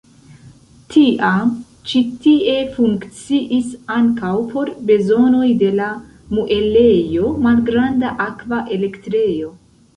Tiam ĉi tie funkciis ankaŭ por bezonoj de la muelejo malgranda akva elektrejo.